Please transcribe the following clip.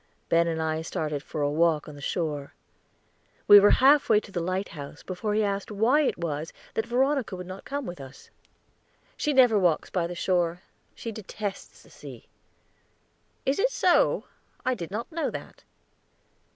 Ben and I started for a walk on the shore. We were half way to the lighthouse before he asked why it was that Veronica would not come with us. "She never walks by the shore; she detests the sea." "Is it so? I did not know that."